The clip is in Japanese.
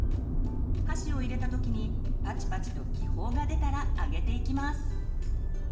箸を入れたときにパチパチと気泡が出たら揚げていきます。